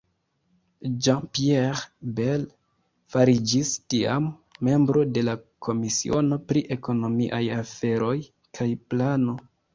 Jean-Pierre Bel fariĝis tiam membro de la komisiono pri ekonomiaj aferoj kaj plano.